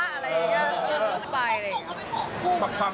อะไรอย่างนี้ไป